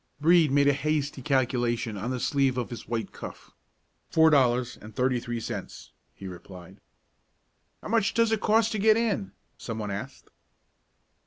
Brede made a hasty calculation on the sleeve of his white cuff. "Four dollars and thirty three cents," he replied. "How much does it cost to get in?" some one asked.